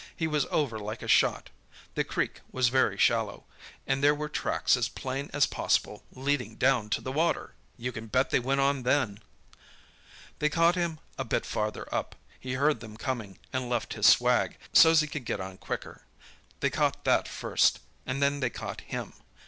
He was over like a shot—the creek was very shallow—and there were tracks as plain as possible, leading down to the water! "You can bet they went on then! "They caught him a bit farther up. He heard them coming, and left his swag, so's he could get on quicker. They caught that first, and then they caught him.